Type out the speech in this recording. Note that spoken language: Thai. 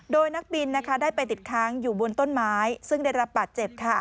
โดยนักบินได้ไปติดค้างอยู่บนต้นไม้ซึ่งได้รับบาดเจ็บ